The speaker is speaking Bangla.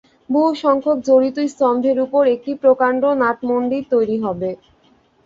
বহুসংখ্যক জড়িত স্তম্ভের উপর একটি প্রকাণ্ড নাটমন্দির তৈরী হবে।